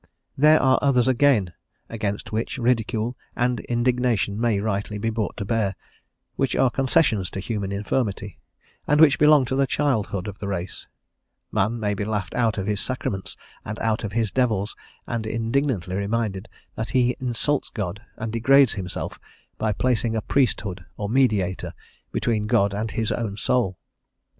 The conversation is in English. There are others again against which ridicule and indignation may rightly be brought to bear, which are concessions to human infirmity, and which belong to the childhood of the race; man may be laughed out of his sacraments and out of his devils, and indignantly reminded that he insults God and degrades himself by placing a priesthood or mediator between God and his own soul.